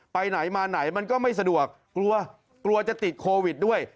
ไปไหนมาไหนมันก็ไม่สะดวกกลัวกลัวจะติดโควิดด้วย